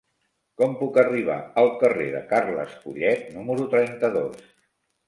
Com puc arribar al carrer de Carles Collet número trenta-dos?